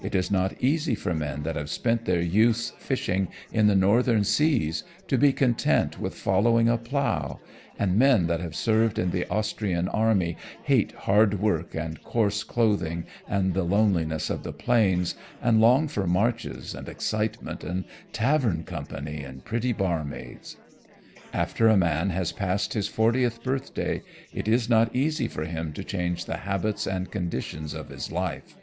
It is not easy for men that have spent their youths fishing in the Northern seas to be content with following a plow, and men that have served in the Austrian army hate hard work and coarse clothing and the loneliness of the plains, and long for marches and excitement and tavern company and pretty barmaids. After a man has passed his fortieth birthday it is not easy for him to change the habits and conditions of his life.